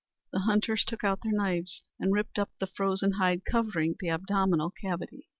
The hunters took out their knives and ripped up the frozen hide covering the abdominal cavity.